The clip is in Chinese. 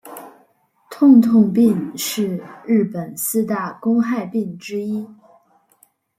痛痛病是日本四大公害病之一。